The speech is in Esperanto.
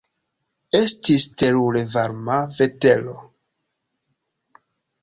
Estis terure varma vetero.